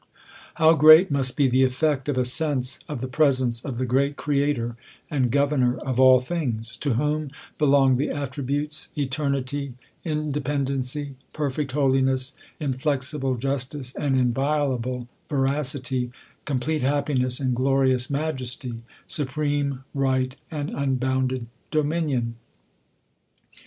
How / great must be the effect of a sense of the presence of the great Creator and Governor of all things, to whom belong the attributes, eternity, independency, perfect holiness, inflexiblejustice, and inviolable veracity; com plete happiness and glorious majesty ; suprcme right and luibounded dominion ? A sense 196 THE COLUMBIAN ORATOR.